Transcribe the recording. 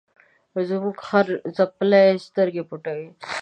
زموږ خر خپلې سترګې پټوي.